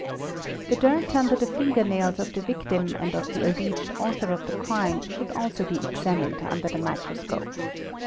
The dirt under the finger nails of the victim and of the alleged author of the crime should also be examined under the microscope.